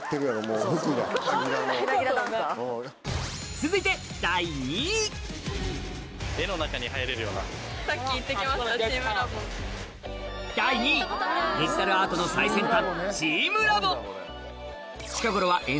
続いて第２位第２位デジタルアートの最先端